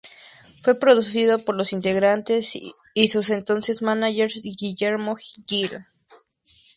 Fue producido por los integrantes y su entonces mánager, Guillermo Gil.